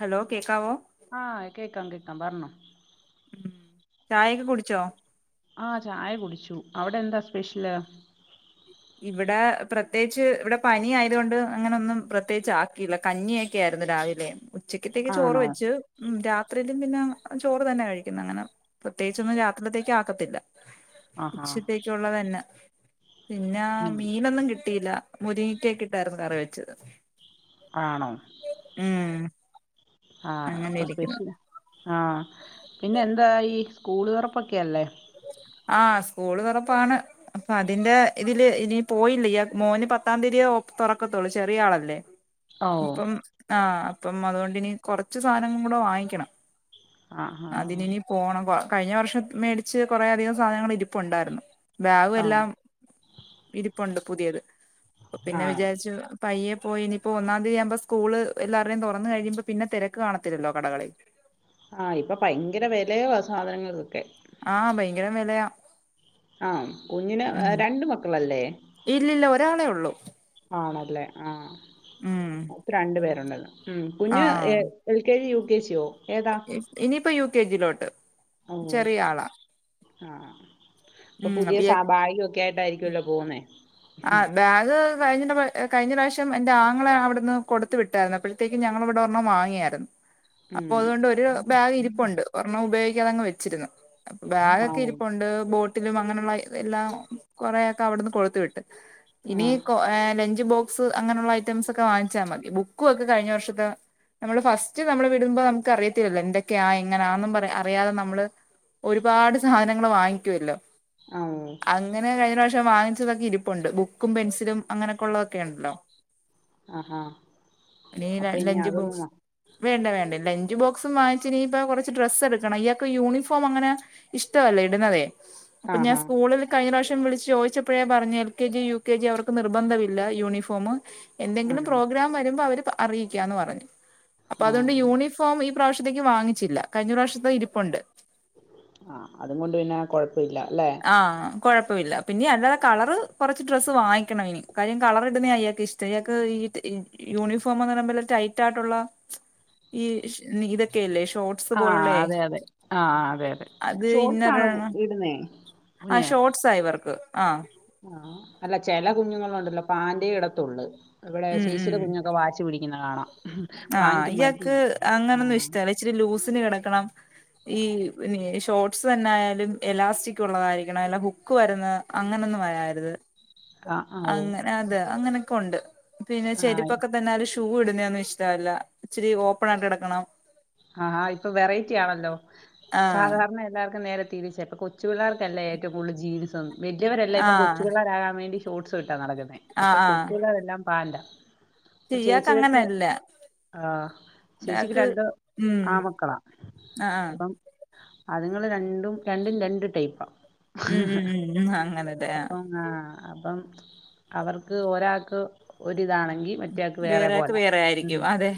Hello കേക്കാവോ ആഹ് കേക്കാം കേക്കാം പറഞ്ഞോ ചായയൊക്കെ കുടിച്ചോ ആ ചായ കുടിച്ചു അവിടെ എന്താ സ്പെഷ്യല് ഇവിടെ പ്രത്യേകിച്ച് ഇവിടെ പനി ആയതുകൊണ്ട് അങ്ങനൊന്നും പ്രത്യേകിച്ച് ആക്കിയില്ല കഞ്ഞിയൊക്കെ ആയിരുന്നു രാവിലെ ചിക്കത്തേക്ക് ചോറ് ആണോ വെച്ച് ഉം രാത്രി തിം പിന്നാ ചോറ് തന്നെ കഴിക്കുന്നേ അങ്ങനെ പ്രത്യേച്ചൊന്നും രാത്രിത്തേക്ക് ആക്കത്തില്ല. ആഹാ ച്ചത്തേക്കുള്ളത് എന്നാ പിന്നാ ഉം മീനൊന്നും കിട്ടിയില്ല മുരിങ്ങിക്കെ ഇട്ടായിരുന്നു കറി വെച്ചത് ആണോ ഉം ആ അങ്ങനെ അപ്പൊ ഇരിക്കുന്നു സ്പെഷ്യല് ആ പിന്നെ എന്താ ഈ സ്കൂള് തുറപ്പൊക്കെയല്ലേ ആ സ്കൂള് തുറപ്പാണ് അപ്പ അതിന്റെ ഇതില് ഇനി പോയില്ല ഈ മോന് പത്താം തീതിയ തുറക്കത്തുള്ളൂ ചെറിയ ആളല്ലേ ഓ അപ്പം ആ അപ്പം അതുകൊണ്ട്ിനനി കുറച്ച് സാധനങ്ങളടെ വാങ്ങിക്കണം ആഹാ അതിനനി പോണം കൊ കഴിഞ്ഞ വർഷം മേടിച്ച് കുറെേ അധികം സാധനങ്ങളിരിപുണ്ടായിരുന്നു ബാഗ് ആഹ് എല്ലാം ഇരിപ്പുണ്ട് പുതിയത് പിന്നെ ആഹ് വിചാരിച്ചു പയ്യെ പോയി ഇനിയിപ്പോൊ ഒന്നാം തീയതിയാകുമ്പോൾ സ്കൂള് എല്ലാവരുടെേയും തുറന്ന കഴിയുമ്പോ പിന്നെ തിരക്ക് കാണത്തില്ലോ കടകളിൽ ആ ഇപ്പൊ ഭയങ്കര വിലയ സാധനങ്ങൾൊക്കെ ആഭയങ്കര വിലയാ ആകുഞ്ഞിന് ഉം രണ്ട് മക്കളല്ലേ ഇല്ലില്ല ഒരാളെള്ളു ആണല്ലേ ആ ക്ക് രണ്ടു പേരുണ്ട് ഉ കുഞ്ഞ് ആഹ് എൽ കെജി യു [unintelligible] ഇനിയിപ്പോ യു കെ ജി ലോ [unintelligible] ആ അ അ അപ്പൊ പുതിയ സ ഭാഴൊക്കെ [unintelligible] ആയിട്ടായിരിക്കല്ലോ [unintelligible] പോവുന്നേ ആ ബാഗ് കഴിഞ്ഞ കഴിഞ്ഞ പ്രാവശ്യം എന്റെ ആങ്ങളെ അവിടുന്ന് കൊടുത്ത വിട്ടായിരുന്നു അപ്പോഴത്തേക്ക് ഞങ്ങള ഇവിടെരെണ്ണം വാങ്ങിയായിരുന്നു അപ്പൊ ഉം അതുകൊണ്ട് ഒരു ബാഗ് ഇരിപ്പുണ്ട് ഒരെണ്ണം ഉപയോഗി യതങ് വച്ചിരുന്നു ആണോ അപ്പൊബാഗൊക്കെ ഇരിപ്പുണ്ട് ബോ [unintelligible] എല്ലാം കൊറെേൊക്കെ അവിടുന്ന് കൊടുത്തു വിട്ട് ഇനി ആഹ് കോ എ ല ബോക്സ് അങ്ങനെയുള്ള ഐറ്റംസ് ഒക്കെ വാങ്ങിച്ചാൽ മതി ബുക്ക ഒക്കെ കഴിഞ്ഞ വർഷത്തെ നമ്മള് ഫസ്റ്റ് നമ്മൾ വിടുമ്പോ നമുക്ക് അറിയത്തില്ലല്ലോ എന്തൊക്കെയാ എങ്ങനെയാന്നും പറ അറിയാതെ നമ്മള് ഒരുപാട് സാധനങ്ങൾ വാങ്ങിക്കുമല്ലോ ആഹ് അങ്ങനെ കഴിഞ്ഞ പ്രാവിശ [unintelligible] വാങ്ങിച്ചതക്കെ ഇരിക്ക ണ്ട് ബുക്കും പെൻസിലും അങ്ങനെയൊക്കെ ഉള്ള ക്കൊണ്ടല്ലോ ആഹാ അപ്പൊ [unintelligible] ഇനി ലഞ്ച് അതൊന്നും ബോക്സ് മ- വേണ്ട വേണ്ട ലഞ്ച് ലഞ്ച് ബോക്സും വാങ്ങിച്ചിരി ഇപ്പൊ കുറച്ച് ഡ്രസ്സ് എടുക്കണം ഇയാൾക്ക് യൂണിഫോം അങ്ങനെ ഇഷ്ടല്ല ഇടുന്നതേ അപ്പൊ ഞാ ആഹാ സ്കൂളിൽ കഴിഞ്ഞ പ്രാവശ്യം [unintelligible] വിളിച്ച ചോദിച്ചപ്പോഴേ പറഞ്ഞേൽ K G U K G അവർക്ക് നിർബന്ധമില്ല യൂണിഫോം എന്തെങ്കിലും ആണോ പ്രോഗ്രാം വരുമ്പോ അവര് പ അറിയിക്കാന്ന് പറഞ്ഞു അപ്പൊ അതുകൊണ്ട് ആഹ് യൂണിഫോം ഈ പ്രാവശ്യത്തേക്ക് വാങ്ങിച്ചില്ല കഴിഞ്ഞ പ്രാവശ്യത്തെ ഇരിപ്പുണ്ട് ആ അതും കൊണ്ട് പിന്നെ കൊഴപ്പല്ല ആ കൊഴപ്പമില്ല പിന്നെ അല്ല കളർ കുറച്ച് ഡ്രസ്സ് വാങ്ങിക്കണം ഇനി കാര്യം കളർ ഇടുന്ന അയാൾക്ക് ഇഷ്ടം അയാക്ക് ഈ യൂണിഫോംന്ന് പറയ ടൈറ്റ് ആയിട്ടുള്ള ഈ ഇതൊക്കെല്ലേ ഇഷ് ആ അതെ അതെ ആ അതെ അതെ അത് ഷോർട്ടസ് ആണോ ഇന്നറാണ് ഇടുന്നേ ആ ഷോർട്സ ഇവർക്ക് ആ ആ അല്ല ചില കുഞ്ഞുങ്ങള ഉണ്ടല്ലോ പാന്റെ ഇടത്തുള്ളു ഇവിടെ ചേച്ചിയുടെ കുഞ്ഞൊക്കെ വാശിപിടി ഇങ്ങനെ കാണാം ആ പാന്റ് മതി ഇയാക്ക് അങ്ങനൊന്നും ആഹ് ഇഷ്ടല്ല ഇച്ചിരി ലൂസ് ട്ടിന് കിടക്കണം ഈ നേഷ് ഷോർട്സ് തന്നെ ആയാലും എലാസ്റ്റിക് ഉള്ളതായിരിക്കണം അല്ല ഹുക്ക് വരുന്നത് അങ്ങനെയൊന്നും വരാരുത് ആഹ് ആഹ് ഓ അങ്ങനെ അതെ അങ്ങനെ ഉണ്ട് പിന്നെ ആഹ് ചെരിപ്പൊക്കെ തന്നാലും ഷു ഷൂ ഇടുന്നൊന്നും ഇഷ്ടല്ല ഇച്ചിരി ഓപ്പൺ ആയിട്ട് കിടക്കണം ആ ആ ഇപ്പൊ വെറൈറ്റി ആണല്ലോ ആഹ് സാധാരണ എല്ലാവർക്കും നേരെ കൊച്ചു പിള്ളേർക്കല്ല ഏറ്റവും കൂടുതൽ ജീൻസ് വലിയവരല്ല ഇപ്പം ആഹ് കൊച്ചുള്ളേരാകൻ വേണ്ടി [unintelligible] നടക്കുന്നെ അപ്പൊ ആഹ് ആഹ് കൊച്ചുപിള്ളേരെല്ലാം പാല ഇയാക്ക് ചേച്ചിയൊക്കെ അങ്ങനല്ല ആ ചേച്ചിക്ക് ഇയാക്ക് രണ്ടോ ഉം ആ മക്കളാ ആഹ് ആഹ് അപ്പം അതുങ്ങൾ രണ്ടും രണ്ടും രണ്ടും ടൈപ്പാ ഉം ഉം ഉം ഉ അങ്ങനെലെ അപ്പം ആ അപ്പം അവർക്ക് ഒരാക്ക് ഒര് ഇതാണെങ്കി മറ്റയാക്ക് വേറെ വേറെയാക്ക് പോല ആയിരിക്കും അതെ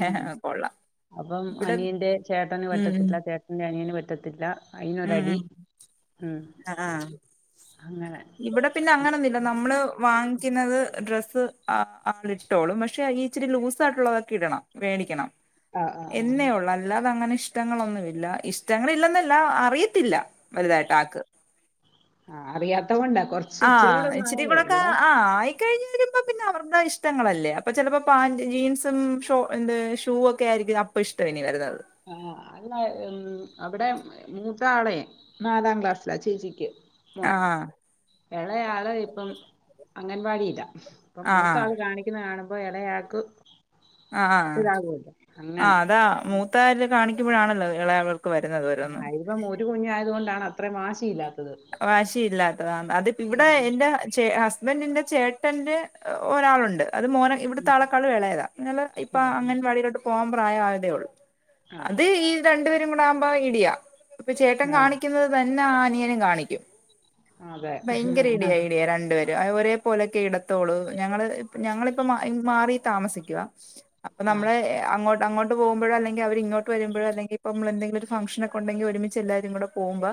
കൊള്ളാം അപ്പം ഇവിടെ അനിയന്റെ ചേട്ടന് ഉം പറ്റത്തില്ല ഉം ചേട്ടന്റെ അനിയന് പറ്റത്തില്ല. ഉം അയിനൊരടി ഉം ഉം ആ അങ്ങനെ ഇവിടെ പിന്നെ പ്രശ്നം. അങ്ങനൊന്നുല്ല നമ്മള് വാങ്ങിക്കുന്നത് ഡ്രസ്സ് അ ഇട്ടോളൂ പക്ഷെ ഇച്ചിരി ലൂസ് ആയിട്ടുള്ളതൊക്കെ ഇടണം മേടിക്കണം ആ ആ ആ എന്നേ ഉള്ളൂ അല്ലാതെ അങ്ങനെ ഇഷ്ടങ്ങളൊന്നുമില്ല ഇഷ്ടങ്ങളില്ലെന്നല്ല- അറിയത്തില്ല വലുതായിട്ട് ആക്ക് ആഹ് അറിയാത്ത കൊണ്ടാ കൊറച്ച് ആ ഇച്ചിരൂടെ ഒന്ന് ആയാലേ ഇവിടെ- ഇനി ഇപ്പൊ പിന്നെ അവരുടെ ഇഷ്ട്ടങ്ങളല്ലേ അപ്പ ചിലപ്പോ പാന്റ് ജീൻസും ഷ എന്ത് ഷൂ ഒക്കെ ആയിരിക്കും അപ്പ ഇഷ്ട്ടം ഇനി വരുന്നത് ആഹ് അല്ല ഉം അവിടെ മൂത്താളേ നാലാം ക്ലാസ്സിലാ ചേച്ചിക്ക് ആഹ് എളയ ആള് ഇപ്പം അംഗൻവാടിലാ ഇപ്പം ആ മൂത്ത ആള് ആ കാണിക്കുന്നത് കാണു- അപ്പ എളയ ആക്ക് - ആഹ് ആഹ് അതാ മൂ- ഉം, മുത്തയാള് കാണുമ്പോഴാണല്ലോ എളയാളൾക്ക്- ആ ഇപ്പം ഒരു കുഞ്ഞു ആയതു കൊണ്ടാണ് അത് അത്ര വാശിയില്ല. വാശിയില്ലാത്തത അത് പി ഇവിടെ ഉം. എന്റെ ചെ ഹസ് ഇബ എന്റെ ചേട്ടന്റെ ഒരാളുണ്ട്. അത് മോന ഇവുടുത്തെ ഉം. ആളക്കാൾ ഇളയതാ [unintelligible] ഇപ്പോ അംഗൻവാടിയിലോട്ട് പോകമ്പം പ്രായമായതേയുള്ളൂ ആ ആ അത് ഈ രണ്ടുപേരു - രണ്ടും കൂടെ ആകുമ്പോ ഇടിയ ഇപ്പൊ ചേട്ടൻ ആ കാണിക്കുന്നത് തന്നെ ആൻ [unintelligible] കാണി ടിയം അതെ ഭയങ്കര ഇഡിയ ഇഡിയ രണ്ടുപേര് ഒരേ പോലെക്കെ എടുത്തോളു ഞങ്ങള് ഞങ്ങളിപ്പ മാറി താമസിക്കവാ അപ്പൊ ആ നമ്മള് ഏഹ് അങ്ങോ അങ്ങോട്ട് പോകുമ്പഴോ അല്ലെങ്കിൽ അവര് ഇങ്ങോട്ട് വരുമ്പോഴോ അല്ലങ്കിൽ ഇപ്പ നമ്മൾ എന്തങ്കിലും ഒരു ഫംഗഷൻ ഒക്കെ ഉണ്ടെങ്ക ഒരുമിച എല്ലാരും കൂടെ പോകുമ്പോ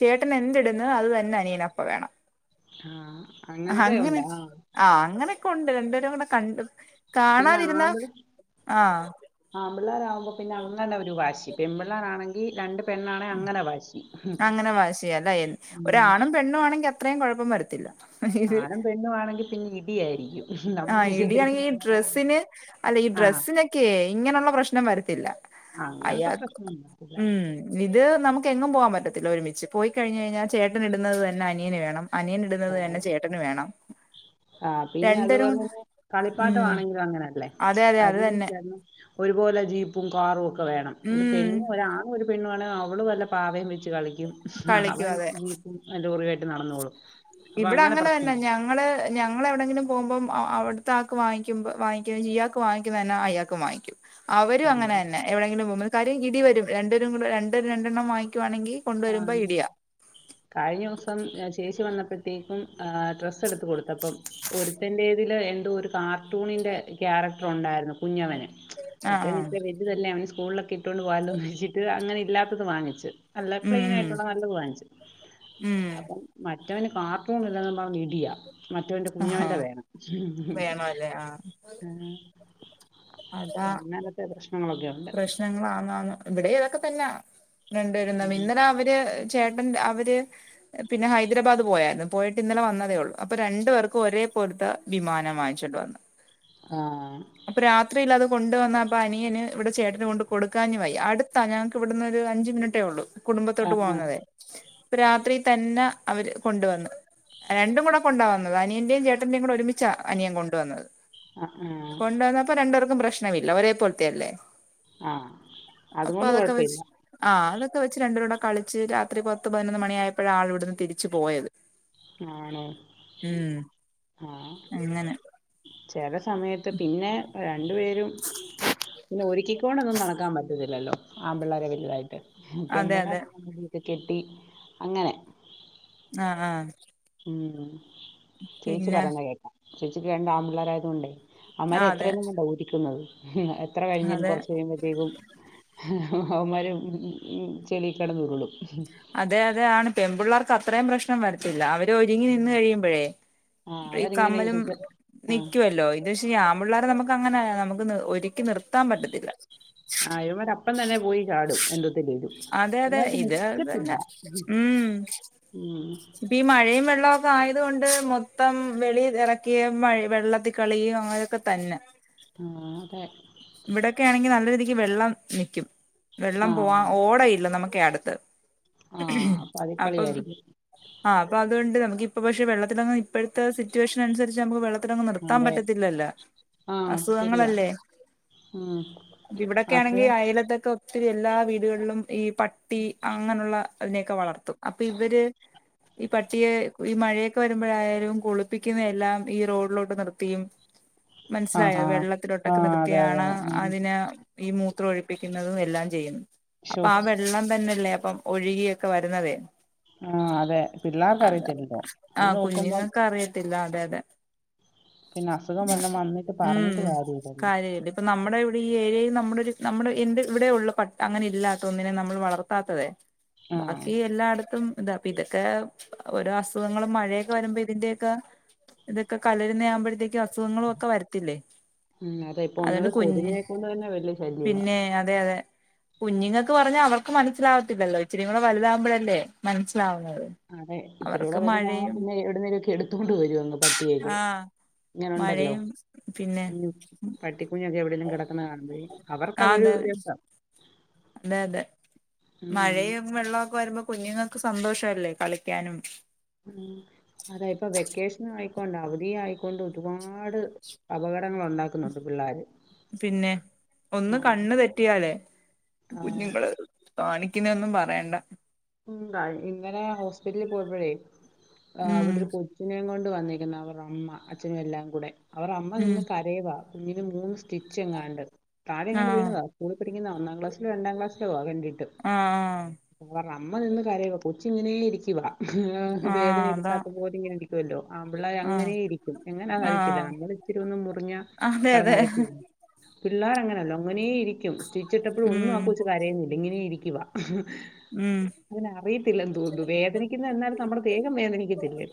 ചേട്ടൻ എന്റെ ട്ണെ അത് തന്നെ അനിയനപ്പ വേണം. ആഹ് അങ്ങനതെ ഉണ്ടാ ആഹ് കുണ്ട് രണ്ടേരും കൂടെ കണ്ടു. പിന്നെ കാണാതിരുന്നാ ആമ്പിൾ ആഹ് വുബോ പിന്നെ അങ്ങനൊരു വാശി പെമ്പിള്ളേരാണെങ്കി രണ്ട് പെണ്ണാണെ അങ്ങനെ വാശി അങ്ങനെ വാശി ല്ല ഉം. ഒരാണും പെണ്ണും ആണെങ്കി അ അത്രയും കുഴപ്പം വരത്തില്ല. ആണും പെണ്ണും ആണെങ്കിൽ പിന്നെ ഇ ഇടിയായിരിക്കും ആ നമ്മൾ വിചാരിക്കുന്ന ഇടിയാണെങ്കിൽ ഈ പോലെ ഡ്രസ്സിന് അല്ലെ ഈ ആ ഡ്രസ്സിനൊക്കെയെ ഇങ്ങനെയുള്ള പ്രശ്നം വരത്തില്ല അങ്ങനത്തെ അയാൾക്ക് പ്രശ്നം ഉണ്ടാവില്ല ഉം ഇത് നമുക്ക് എങ്ങും പോവാം പറ്റത്തില്ല ഒരുമിച്ച് പോയി കഴിഞ്ഞ്കഴിഞ്ഞാൽ ചേട്ടൻ ഇടുന്നത് തന്നെ അനിയന് വേണം. അനിയൻ ആ ഇടുന്നത് തന്നെ ചേട്ടന് വേണം ആ, പിന്നെ രണ്ട് അതുപോലെ തന്നെ കളിപ്പാട്ട ആണെങ്കിലും അങ്ങനെല്ലേ അതെ അതെ അത് അനിയനും തന്നെ ചേട്ടനും ഒരുപോലെ ജീപ്പും കാറുംഒക്കെ വേണം ഇത് ഉം പെണ്ണും ഒരാണും ഒരുപെണ്ണുമാണെങ്കി അവ അവള് വല്ല പാവേം വെച്ച് കളിക്കും കളിക്കും അവൻ അതെ ജീപ്പുംലോറിയായിട്ട് നടന്നോളും അപ്പൊ ഇവിടെ അങ്ങനെ തന്നെ പ്രശ്നമായി ഞങ്ങള് ഞങ്ങൾ എവിടെങ്കിലും പോകുമ്പോ അവിടുത്തെ ആൾക്ക് വാങ്ങിക്കുമ്പോ വാങ്ങിക്ക ഇയാൾക്ക് വാങ്ങിക്കുന്ന തന്നെ അയാൾക്ക് വാങ്ങിക്കും അവരും ആഹ് അങ്ങനെന്നെ എവിടെയെങ്കിലും പോബോ കാര്യം ഇടി വരും രണ്ട് വേരും കൂടെ രണ്ടര് രണ്ടെണ്ണം വങ്ങിക്കുവാണെങ്കിൽ ആഹ് കഴിഞ്ഞ ദിവസം ചേച്ചി വന്നപ്പോഴ് ത്തെയ്ക്കും ഡ്രസ്സ് എടുത്ത് കൊടുത്തപ്പം ഒരുത്തന്റെതിൽ എന്ത ഒരു കാർട്ടൂണിന്റെ ക്യാരക്ടർ ഉണ്ടായിരുന്നു കുഞ്ഞവന് ആഹ് ആഹ് മറ്റേവനിത്തിരി വലുതല്ലേ അവന് സ്കൂളിലൊക്കെ ഇട്ടോണ്ട് പോവാലോ എന്നിച്ചിട്ട് അങ്ങനെ ഇല്ലാത്തത് വാങ്ങിച്ച് അല്ല ഉം പ്ലെയിൻ ഉം ആയിട്ടുള്ള നല്ലത് വാങ്ങിച്ചു ഉം അപ്പംമ റ്റവന് കാർട്ടൂണില്ലെന്ന് പറഞ്ഞ് ഇടിയാ മറ്റവന്റെ ആഹാ കുഞ്ഞോന്റെ വേണം വേണല്ലേ ആഹ് അതാ അങ്ങനത്തെ പ്രശ്നങ്ങളൊക്കെ ഉണ്ട് പ്രശ്നങ്ങളാന്നാന്ന് ഇവിടെയും അതൊ അതൊക്കെ തന്നാ രണ്ട് പേരും തമ്മിൽ ഇന്നലെ അവര് ചേട്ടൻ അവര് പിന്നെ ഹൈദരാബാദ് പോയരുന്നു പോയിട്ട് ഇന്നലെ വന്നതേ ഉള്ളു അപ്പൊ രണ്ടു പേർക്കും ഒരേ പോലത്തെ വിമാനം വാങ്ങിച്ചോണ്ട് വന്ന് ആഹ് അപ്പൊ രാത്രിയിൽ അത് കൊണ്ട് വന്നാ അപ്പ അനിയന് ഇവിടെ ചേട്ടന് കൊണ്ട് കൊടുക്കാന് വയ്യ അടുത്താ ഞങ്ങക്ക് ഇവിടുന്ന് ഒരു അഞ്ച് മിനിറ്റേ ഉള്ളൂ. കുടുംബത്തോട്ട് ആഹ് പോകാതെ ഇപ്പ രാത്രി തന്നെ അവര് കൊണ്ടുവന്ന് രണ്ടും കൂടെ കൊണ്ടാ വന്നത് അനിയന്റെയും ചേട്ടന്റെയും കൂടെ ഒരുമിച്ചാ അനിയൻ കൊണ്ടുവന്നത്. ആഹ് ആഹ് രണ്ട് പേർക്കും പ്രശ്നമില്ല ഒരെ പോലത്തെയല്ലേ ആഹ അപ്പൊ അതുകൊണ്ട് അതൊക്കെ വെച്ച് കൊഴപ്പില്ല. ആ അതൊക്കെ വെച്ച് രണ്ടുടെ കളിച്ച് രാത്രി പത്ത് പതിനൊന്ന് മണിയായപ്പോഴാ ആൾവിടുന്ന് തിരിച്ച് പോയത്. ആണോ ഉം ആഹ് അങ്ങനെ ചെല സമയത്ത് പിന്നെ വേ രണ്ടു പേരും പിന്നെ ഒരുക്കിക്കോണ്ടന്നും നടക്കാൻ പറ്റുന്നില്ല. ല്ലോ ആണ്‌പിള്ളേരെ വലുതായിട്ട്. അതെ അതെ പെമ്പിള്ളേരെ [unintelligible] കെട്ടി അങ്ങനെ ആഹ ആഹ ഉം ചേച്ചി പറയുന്നേ കേക്കാ ചേച്ചിക്ക് രണ്ട് ആമ്പിള്ളേരായതോണ്ടേ ആ അവൻമാരെ അതെ എത്രയുന്നും കണ്ടാ ഒരുക്കുന്നത്. ഹും അത് എത്ര കഴിഞ്ഞാലും അതെ കുറച്ച് കഴിയുമ്പഴത്തേക്കും ഹെ അവന്മാര് ചെളിയില് കെടന്ന് ഉരുളും അതെ അതെ ആണ് പെണ്‌ പിള്ളേർ ക്ക് അത്രയും പ്രശ്നം വരത്തില്ല ഒരുങ്ങി നിന്ന് കഴിയുമ്പോഴേ ആഹ് ഈ അവരിങ്ങനെ കമ്മലും ഇരുന്ന് ആഹ് നിക്കുവല്ലോ ഇത് പക്ഷെ ഈ ആണ് ൺ പിള്ളേരെ നമുക്ക് അങ്ങനെ നമുക്ക് ഒ ഒരുക്കി നിർത്താൻ പറ്റത്തില്ല. അവന്മാര് അപ്പം തന്നെ പോയി ച്ചാടും എന്തത്തിലേലും അവന്മാർക്ക് നിക്ക ന്ന ഉം ഉം പ്പംഈ മഴയും വെള്ള വെള്ളമൊക്കെ ആയതോണ്ട് മൊത്തം വെളിൽ ഇറക്കിയാ വെള്ളത്തിൽ കളിയും അങ്ങനെയൊക്കെ തന്നെ ആ അതെ ഇവിടെക്കെ ആണെങ്കി നല്ല രീതിക്ക് വെള്ളം നിക്കും. വെള്ളം ആഹ് പോവാൻ ഓടയില്ല നമു ക്കെ അടുത്ത്. ആഹ് അപ്പൊ അതിക്കളിയായിരിക്കും ആ അപ്പ അതുണ്ട് നമുക്കി അ പക്ഷെ വെള്ളത്തില ഇപ്പോഴത്തെ സിറ്റുവേഷനസരിച്ച് നമ്മുക്ക് വെള്ളം അത്രൊന്നും നിർത്താൻ അതെ പറ്റത്തില്ലല്ലോ ആഹ് ശരിയാ അസുഖങ്ങളല്ലേ ഉം അപ്പ ഇവിടക്കെ ആണെങ്കിൽ അസുഖം അയലത്തൊക്കെ ഒത്തിരി എല്ലാ വീടുകളിലും ഈ പട്ടി അങ്ങനെയുള്ള അതിനെയൊക്കെ വളർത്തും അപ്പൊ ഇവര് ഈ പട്ടിയെ ഈ മഴയൊക്കെ വരുമ്പോഴായാലും കുളിപ്പിക്കുന്ന എല്ലാം ഈ റോഡിലോട്ട് നിർത്തിയും മനസ്സിലായോ ആഹാ വെള്ളത്തിലോട്ടൊക്കെ ആഹ് അതെ അതെ നിർത്തിയാണ് ഉം അതിനെ ഈ മൂത്രം ഒഴിപ്പിക്കുന്നതും എല്ലാം ചെയ്യു ശോ അപ്പൊ ആ വെള്ളം തന്നെല്ലേ ഇപ്പം ഒഴുകിയൊക്കെ വരുന്നതേ ആ അതെ പിള്ളേർക്ക അത് അറിയത്തില്ലല്ലോ ആ അത് നോക്കുമ്പം കുഞ്ഞുങ്ങൾക്ക് അറിയത്തില്ല അതെ അതെ പിന്നെ അസുഖം [unintelligible] വന്നിട്ട് ഉം പറഞ്ഞിട്ട് കാര്യ ഇില്ലല്ലോ കാര്യമില്ല ഇപ്പൊ നമ്മുടെ ഇവിടെ ഈ ഏരിയയിൽ നമ്മുടെ ഒരു നമ്മുടെ എന്റെ ഇവിടെ ഉള്ള പട്ട അങ്ങനെ ഇല്ലാത്ത ഒന്നിനെ നമ്മൾ വളർത്താത്തതെ ആഹ് ബാക്കി എല്ലായിടത്തും അതാ അപ്പൊ ഇതൊക്കെ ഓരോ അസുഖങ്ങളും മഴയൊക്കെ വരുമ്പോ ഇതിന്റെക്കെ ഇതൊക്കെ കലരുന്ന ആവുമ്പോഴത്തേക്കും ഒക്കെ അസുഖങ്ങളും ഒക്കെ വരത്തില്ലേ ഉം അതെ ഇപ്പൊ ഒന്നത് അതുകൊണ്ട് കുഞ്ഞ് കൊതുങ്ങിനെ കൊണ്ട് തന്നെ വലിയ ശല്യവാ പിന്നെ അതെ അതെ കുഞ്ഞുങ്ങൾക്ക് പറഞ്ഞ അവർക്ക് മനസ്സിലാവത്തില്ലല്ലോ ഇച്ചരി കൂടെ വലുതാവുമ്പോഴല്ലേ മനസ്സിലാ അതെ ഇത്തിരിക്കൂടെ വലുതാവു മ്പം പിന്നെ എവിടുന്നേലൊക്കെ എടുത്തോണ്ട് വരും പട്ടിയെ ഒക്കെ ആഹ് അങ്ങനെയുണ്ടെലോ മഴയും പിന്നെ കുഞ്ഞൊക്കെ എവിടെങ്കിലും കടക്കുന്ന കാണുമ്പോ ആ അവർക്കതൊരു അതെ രസം അതെ അതെ ഉം മഴയും വെള്ളമൊക്കെ വരുമ്പോ കുഞ്ഞുങ്ങൾക്ക് സന്തോഷല്ലേ കളിക്കാനും ഉ അതാ ഇപ്പൊ വെക്കേഷൻ ആയിക്കൊണ്ട് അവധി ആയിക്കൊണ്ട് ഒരുപാട് അപകടങ്ങൾ ഉണ്ടാക്കുന്നുണ്ട് പിള്ളോര് പിന്നെ ഒന്ന് കണ്ണ് തെറ്റിയാലേ ആഹ് കുഞ്ഞുങ്ങള് കാണി കിനെ ഒന്നും പറയണ്ട ഉ ഇങ്ങനെ ഹോസ്പിറ്റലിൽ പോയപഴേ ആ ഉം അവിടെ ഒരു കൊച്ചിനെ കൊണ്ട് ണ്ട് വന്നേക്കുന്നു അവര്ടെ അമ്മ അച്ഛനും എല്ലാം കൂടെ അവർ അമ്മ ഉം നിന്ന് കരയുവാ കുഞ്ഞിന് മൂന്ന് സ്റ്റിച്ച് എങ്ങാണ്ട് തായെ എങ്ങാണ്ട് ആഹ് വീണതാ കൊണി പ ക്ക് ന്ന ഒന്നാക്ലാസ്സിലോ രണ്ടക്ലാസ്സിലോ ആവണ്ട അ ആഹ് അമ്മ നിന്ന് കറയു കൊച്ചി ഇങ്ങനെ ഇരിക്കുവ ആ ആഹ് വേദന ആഹ് അതാ എടുക്കാത്ത പോലെ ഇങ്ങനെ തുല്ലോ ആമ്പിള്ളാര് ആഹ് അങ്ങനെ ഇരിക്കും എങ്ങനാന്നറിയത്തില്ല ആഹ് നമ്മള ഇച്ചിരി ഒന്നും മുറിഞ്ഞ അതെ അതെ കടന്നലയും പിള്ളേർ അങ്ങനെയല്ലോ അങ്ങനെ ഇ കും സ്റ്റിച് ഇട്ടപ്പൊഴും ഒന്നും ആ ഉം കൊച്ച് കരയുന്നില്ല ഇങ്ങനെ ഇരി കിവാ ഉം അങ്ങന അറി തില്ലന്ന് തോന്നുന്നു വേദനിക്കന്ന എന്നാലും നമ്മുടെ വേഗം വേദനിക്കത്തിലെ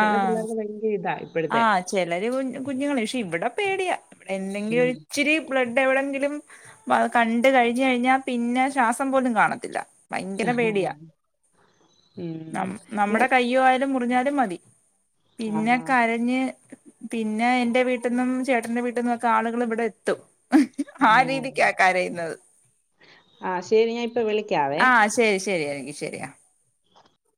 ചില പിള്ളേർക്ക് ഭയങ്കര ഇതാണ് ആഹ് ചിലര് കു കുഞ് ക്ഷെ ഇവിടെ പേടിയാ എന്തെങ്കിലും ഉം. ഇച്ചിരി ബ്ലഡ് എവിടെങ്കിലും അപ്പ അത് കണ്ട് കഴിഞ്ഞുകഴിഞ്ഞ പിന്ന ശ്വാസം പോലും കാണത്തില്ല. ഭയങ്കര പേടിയാ ഉം. നം നമ്മുടെ കയ്യു ആയാലും ഞ്ഞാലു മതി ആഹ ന്നെ പിന്നെ എന്റെ വീട്ടിന്നും ചേട്ടന്റെ വീട്ടിന്നും ഒക്കെ ആളുകൾ ഇവിടെ എത്തും ഓ. ആ രീതിക്കാ ക--രയുന്നത് ആ ശരി ഞാൻ ഇപ്പൊ വിളിക്കാവേ ആ ശരി ശരി അല്ലെങ്കി ശരിയാ